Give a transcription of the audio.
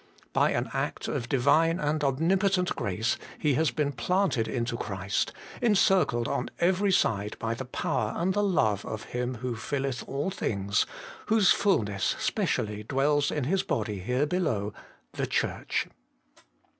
By an act of Divine and omnipotent grace, he has been planted into Christ, encircled on every side by the Power and the Love of Him who filleth all things, whose fulness specially dwells in His body here below, the Church.